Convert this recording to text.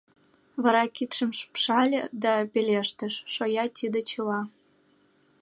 Вара кидшым лупшале да пелештыш: — Шоя тиде чыла.